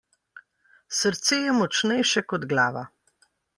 Srce je močnejše kot glava.